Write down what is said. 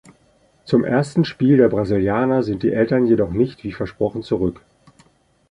Zum ersten Spiel der Brasilianer sind die Eltern jedoch nicht wie versprochen zurück.